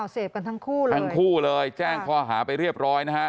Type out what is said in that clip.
เสพกันทั้งคู่เลยทั้งคู่เลยแจ้งข้อหาไปเรียบร้อยนะฮะ